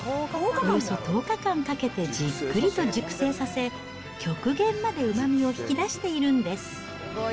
およそ１０日間かけてじっくりと熟成させ、極限までうまみを引き出しているんです。